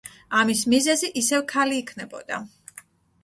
ამის მიზეზი ისევ ქალი იქნებოდა.